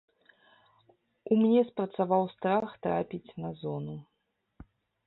У мне спрацаваў страх трапіць на зону.